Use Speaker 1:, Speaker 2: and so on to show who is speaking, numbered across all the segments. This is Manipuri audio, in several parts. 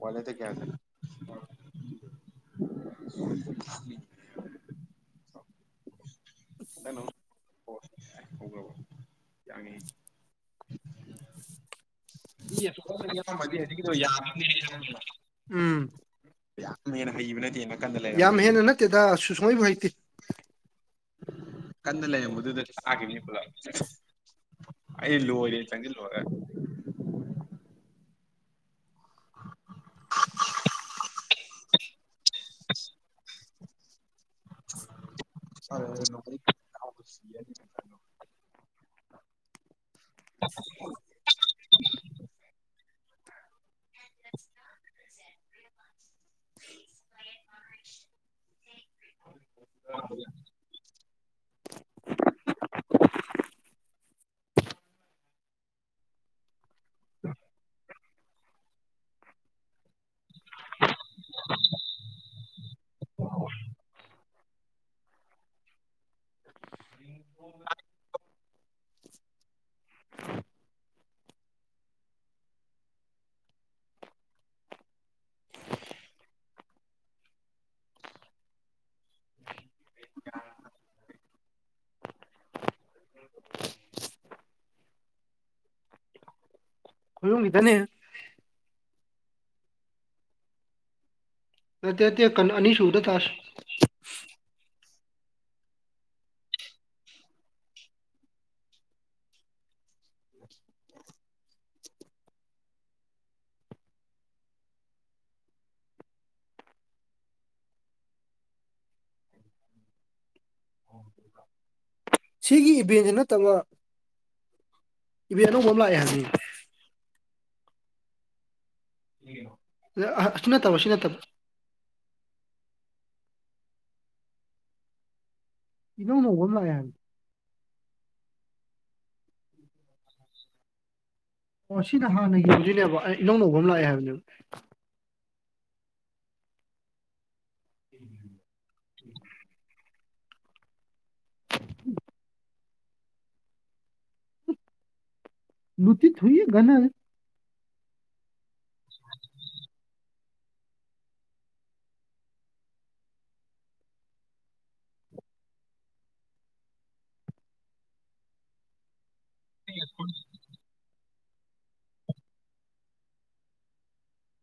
Speaker 1: ꯋꯥꯂꯦꯗ ꯀꯌꯥꯗ ꯍꯩꯅꯣ ꯑꯣ ꯍ꯭ꯔꯕ ꯌꯥꯅꯤ ꯌꯦ ꯑꯁꯨꯣ
Speaker 2: ꯎꯝ
Speaker 1: ꯌꯥꯝꯃꯦꯅ ꯍꯩꯕ ꯅꯗꯤꯦꯅ
Speaker 2: ꯌꯥꯝ ꯍꯦꯟꯅ ꯅꯠꯇꯦꯗ ꯁꯁꯃꯥꯏ ꯇ
Speaker 1: [unintelligible] ꯀꯟꯅ ꯂꯩꯔꯝꯕꯗꯨꯗ ꯇꯥꯈꯤꯅꯦ ꯄꯨꯂꯣ ꯑꯩ ꯂꯣꯍ ꯆꯪꯒꯤ ꯂꯣꯍꯦ [unintelligible] [unintelligible] ꯑꯔꯦ ꯑꯗꯨ ꯁꯤꯣ
Speaker 2: [unintelligible]
Speaker 1: ꯍ ꯑ [unintelligible]
Speaker 2: ꯑ [inaudible] ꯑꯣ [unintelligible] ꯀꯃꯤ ꯊꯅꯦ ꯑꯠꯇ ꯀ ꯑꯅꯤꯁꯨ ꯎꯗ ꯊꯥꯁ ꯁꯤꯒꯤ ꯏꯚꯦꯟꯁꯤ ꯅꯠꯇꯕ ꯏꯚꯦꯟ ꯑꯧꯕ ꯑꯃ ꯂꯥꯛꯑꯦ ꯍꯥꯏꯕꯅꯤ ꯁꯤ ꯅꯠꯇꯕ ꯁꯤ ꯅꯠꯇꯕ ꯏꯅꯧ ꯅꯣꯡꯧꯕ ꯑꯃ ꯂꯥꯛꯑꯦ ꯑꯣ ꯁꯤꯅ ꯍꯥꯟꯅ ꯌꯦꯡꯗꯣꯏꯅꯦꯕ ꯑꯩ ꯏꯅꯧꯅꯧꯕ ꯑꯃ ꯂꯥꯛꯑꯦ ꯍꯥꯏꯕꯅꯦꯕ ꯎꯝ ꯎꯝ ꯎꯝ ꯂꯨꯇ ꯊ ꯍꯨꯏꯌꯦ ꯅꯜ
Speaker 1: [unintelligible] [unintelligible]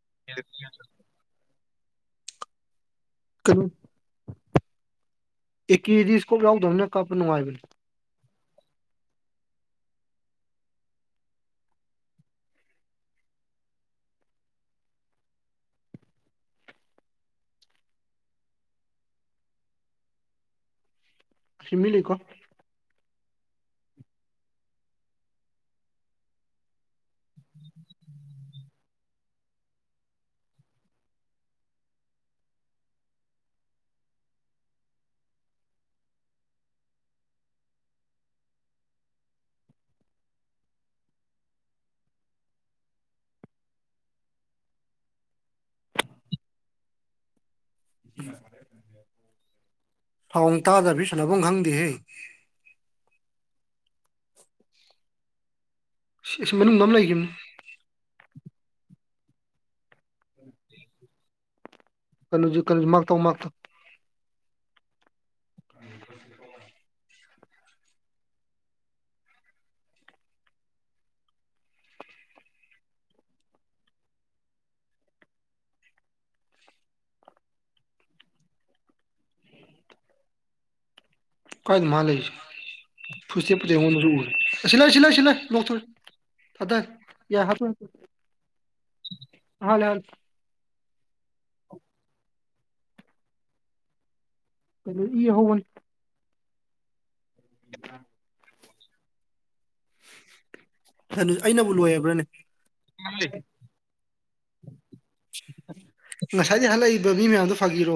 Speaker 1: [unintelligible]
Speaker 2: ꯀꯣ ꯑꯦꯀ꯭ꯗꯤꯁꯀꯣꯞ ꯌꯥꯎꯗꯕꯅꯤꯅ ꯀꯥꯞꯄ ꯅꯨꯡꯉꯥꯏꯕꯅꯤ ꯁꯤꯃꯤ ꯂꯩ ꯀꯣ
Speaker 1: [inaudible]
Speaker 2: ꯁꯎꯟꯗ ꯇꯥꯗꯕꯁꯤꯗꯤ ꯁꯅꯥꯐꯝ ꯈꯪꯗꯦꯍꯦ ꯑꯁꯤꯁ ꯃꯅꯨꯡꯗ ꯑꯃ ꯂꯩꯈꯤꯕꯅꯦ
Speaker 1: [inaudible]
Speaker 2: ꯀꯩꯅꯣꯁꯤ ꯀꯩꯅꯣ ꯃꯥꯛꯛꯇꯧ ꯃꯥꯛꯇꯧ [unintelligible] ꯀꯥꯏꯗꯅꫭ ꯃꯥ ꯂꯩꯔꯤꯁꯦ ꯐꯨ ꯁ꯭ꯇꯦꯞꯄꯨꯗꯤ ꯑꯩꯉꫭꯟꯗꯁꯨ ꯎꯔꯦ ꯑ ꯁꯤ ꯂꯩꯔꯦ ꯁꯤ ꯂꯩꯔꯦ ꯁꯤ ꯂꯩꯔꯦ ꯂꯥꯎꯊꯣꯔꯑ ꯊꯥꯗꯩ ꯌꯥ ꯍꯥ [unintelligible] ꯍꯥꯂꯦ ꯍꯥꯂꯦ ꯀꯩꯅꫭ ꯏ ꯌꯥꯎꯍꯩꯕꯅꯤ [unintelligible] ꯍꯅꯨ ꯑꯩꯅꯕꯨ ꯂꯣꯏꯑꯕ꯭ꯔꯥꯅꯦ
Speaker 1: ꯃꯜꯂꯤ [unintelligible]
Speaker 2: ꯉꯁꯥꯏꯗꯩ ꯍꯥꯜꯂꯛꯏꯕ ꯃꯤ ꯃꯌꯥꯝꯗꯣ ꯐꯥꯒꯤꯔꯣ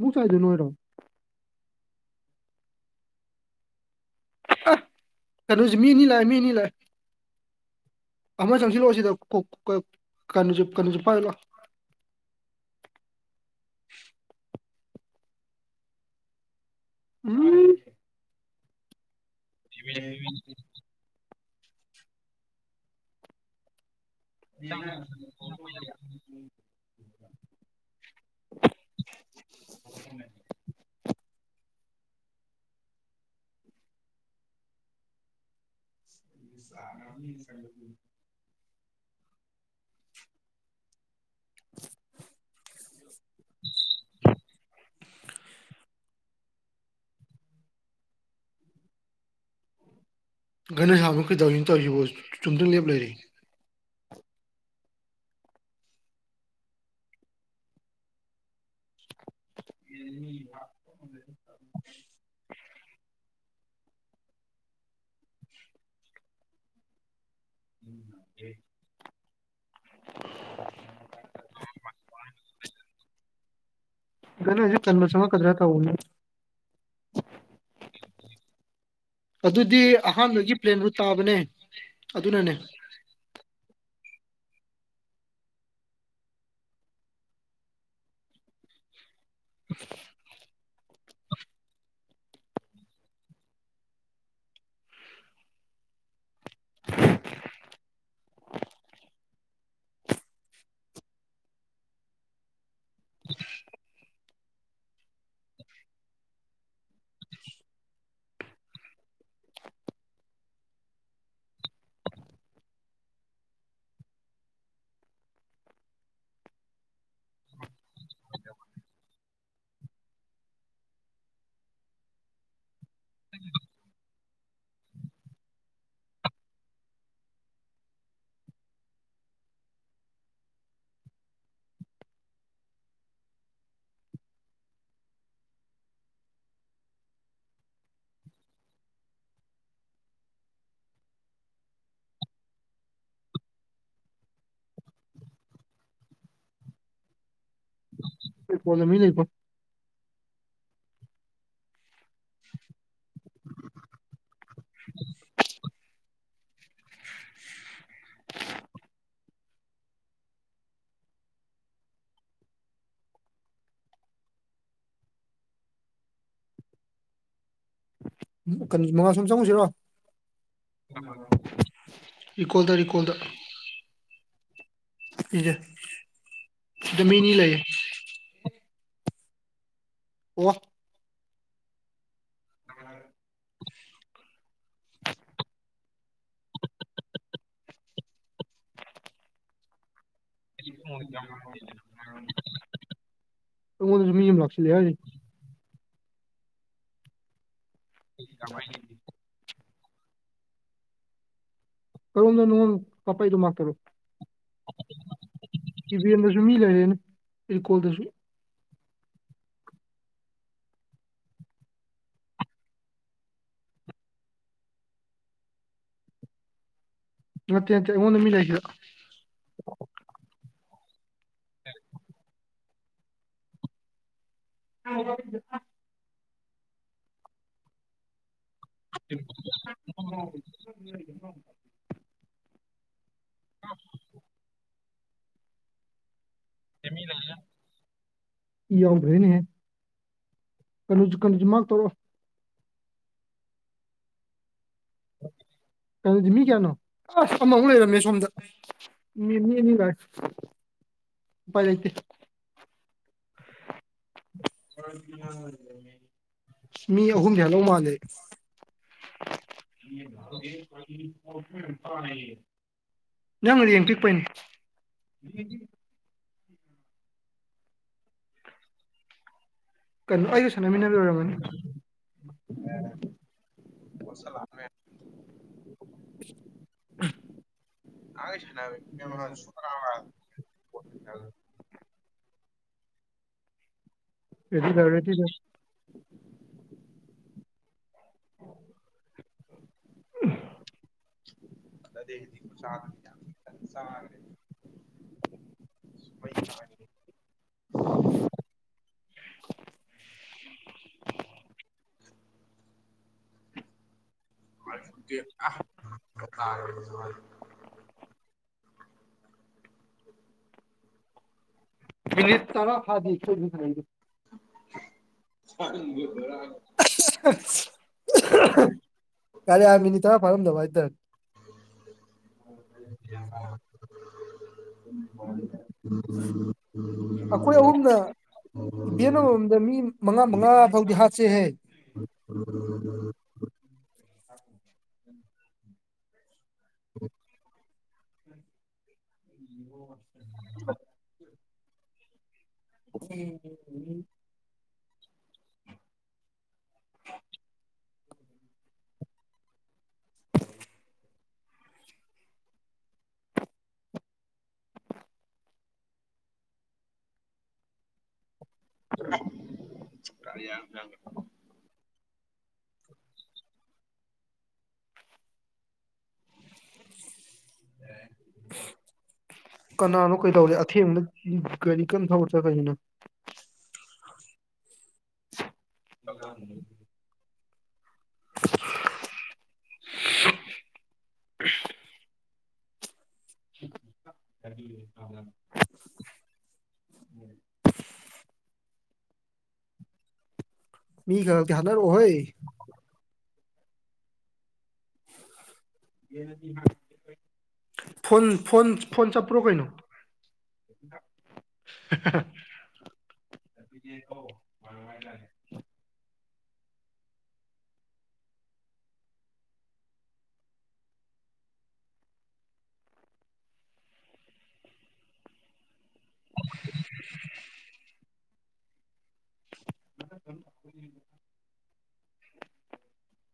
Speaker 2: ꯃꯨ ꯆꯥꯏꯗꫭ ꯅꯣꯏꯔꯣ ꯑ ꯀꯩꯅꯣꯁꯦ ꯃꯤ ꯑꯅꯤ ꯂꯥꯛꯑꯦ ꯃꯤ ꯑꯅꯤ ꯂꯥꯛꯑꯦ ꯑꯃ ꯆꯪꯁꯤꯜꯂꯛꯑꯣ ꯁꯤꯗ ꯀꫭ ꯀ ꯀꯩꯅꫭꯁꯦ ꯀꯩꯅꯣꯁꯦ ꯄꯥꯏꯔꫭꯂꯥꯎ ꯎꯝ
Speaker 1: [unintelligible]
Speaker 2: [unintelligible] [unintelligible] [unintelligible] ꯆꯥ ꯉꯥꯝꯅꯤꯅ ꯆꯪꯉꯛ [unintelligible] [unintelligible] ꯒꯅꯁꯥꯝ ꯗꫭ ꯀꯩꯗꯧꯔꯤꯅꫭ ꯇꯧꯔꯤꯁꯤꯕꫭ ꯍꯥ ꯆꯨꯝꯗꯔ꯭ꯤꯡ ꯂꯦꯞ ꯂꯩꯔꯦ [unintelligible] ꯃꯤꯅ ꯉꯝꯒ꯭ꯔꯦ
Speaker 1: [unintelligible]
Speaker 2: ꯒꯟꯅꯖꯤꯠ [unintelligible] ꯀꯟꯕ ꯆꯪꯉꯛꯀꯗꯔ ꯇꯧꯕꯅꯦ ꯑꯗꯨꯗꯤ ꯑꯍꯥꯟꯕꯒꯤ ꯄ꯭ꯂꯦꯟ ꯔꯨꯠ ꯇꯥꯕꯅꯦ ꯑꯗꯨꯅꯅꯦ [unintelligible] [unintelligible] [unintelligible]
Speaker 1: [inaudible]
Speaker 2: [unintelligible] ꯃꯤ ꯂꯩꯀꯣ ꯎ ꯀꯩꯅꯣ ꯃꯉꯥꯜ ꯁꫭꯝ ꯆꯪꯉꯨꯁꯤꯔꯣ ꯔꯤꯀꫭꯜꯗ ꯔꯤꯀꫭ ꯀꯣꯜꯗ ꯁꯤꯁꯦ ꯁꯤꯗ ꯃꯤ ꯑꯅꯤ ꯂꯩꯌꯦ ꯑꫭ ꯥ [unintelligible] [unintelligible] [unintelligible] ꯑꯩꯉꯣꯟꯗꯁꯨ ꯃꯤ ꯑꯃ ꯂꯥꯛꯁꯜꯂꯦ ꯍꯥꯏꯔꯤ [unintelligible] ꯀꯔꫭꯝꯗꯅꫭ ꯀꯥꯄꯛꯏꯗꯨ ꯃꯥꯔꯛ ꯇꯧꯔꯎ ꯏꯚꯦꯟꯗꯁꯨ ꯃꯤ ꯂꯩꯔꯦꯅꯦ ꯔꯤꯀꯣꯜꯗꯁꯨ ꯅꯠꯇꯦ ꯅꯠꯇꯦ ꯑꯩꯉꯣꯟꯗ ꯃꯤ ꯂꯩ ꯁꯤꯗ [unintelligible]
Speaker 1: [unintelligible]
Speaker 2: [unintelligible] ꯏ ꯌꯥꯎꯗ꯭ꯔꯦꯅꯍꯦ ꯀꯩꯅꫭꯖꯨ ꯀꯩꯅꫭꯖꯨ ꯃꯥꯔꯛ ꯇꯧꯔꯛꯑꫭ ꯀꯩꯅꯣꯗꯤ ꯃꯤ ꯀꯌꯥꯅꯣ ꯑꯁ ꯑꯃꯃꯨꯛ ꯂꯩꯔꯝꯃꯦ ꯁꯣꯝꯗ ꯃꯤ ꯃꯤ ꯑꯅꯤ ꯂꯥꯛꯑꯦ ꯎꯄꯥꯏ ꯂꯩꯇꯦ [unintelligible] ꯃꯤ ꯑꯍꯨꯝꯗꯤ ꯍꯥꯠꯍꯧ ꯃꯥꯜꯂꯦ ꯑꯩ [unintelligible] ꯅꯪ ꯔꯦꯡꯀ ꯄꯤꯛꯄꯩꯅꯦ [unintelligible] ꯀꯟꯅꫭ ꯑꯩꯖꯨ
Speaker 1: [unintelligible] ꯍꯥꯏꯁ꯫ [unintelligible] [unintelligible]
Speaker 2: ꯑꯦꯗꯤ ꯂꯦ ꯊꯤꯗ꯫ ꯎꯝ꯫ ꯎ
Speaker 1: ꯗꯗꯤ ꯈꯨꯁꯥꯡ ꯌꯥ ꯆꯦ꯫ ꯃꯩ ꯇꯥꯅꯤ꯫
Speaker 2: [unintelligible]
Speaker 1: [inaudible] ꯇꯔꯁꯨ
Speaker 2: ꯏ ꯇꯔ ꯐꯥꯗꯤ
Speaker 1: ꯆꯒꯕꯔ
Speaker 2: ꯀꯔꯤ ꯌꯥꯝꯃꯤꯅꯤ ꯇ ꯐꯥꯔꯝꯗꯕ ꯏꯗꯔ
Speaker 1: [inaudible]
Speaker 2: ꯑꯩꯈꯣꯏ ꯑꯍꯨꯝꯅ ꯏꯚꯦꯟ ꯑꯃꯃꯝꯗ ꯃꯤ ꯃꯉꯥ ꯃꯉꯥ ꯐꯥꯎꯗꯤ ꯍꯥꯠꯁꯦꯍ ꯑ
Speaker 1: ꯎꯝ
Speaker 2: [inaudible]
Speaker 1: ꯍ
Speaker 2: ꯎꯝ [inaudible]
Speaker 1: ꯌꯥ
Speaker 2: [inaudible] ꯀꯅꯥꯅꯣ ꯀꯩꯗꯧꯔꯦ ꯑꯊꯦꯝꯕꯗ ꯎ ꯔꯤ ꯀꯝ ꯊꯕꯔꯊ ꯀꯖꯤꯅ [inaudible] [inaudible] ꯃꯤꯒ ꯌꯥꯅꯔꯍꯣꯏ ꯐꯣꯟꯣꯟ ꯐꯣꯟꯣꯟ ꯐꯣꯟꯣꯟ ꯆꯄ꯭ꯔꯣ ꯀꯩꯅꯣ [inaudible] [inaudible]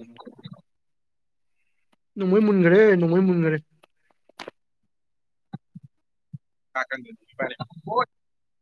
Speaker 2: ꯎꯝ ꯅꯣꯡꯃꯩ ꯃꯨꯟꯒ꯭ꯔꯦ ꯅꯣꯡꯃꯩ ꯃꯨꯟꯒ꯭ꯔꯦ꯫
Speaker 1: [unintelligible]